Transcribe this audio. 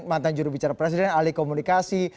mantan juru bicara presiden ahli komunikasi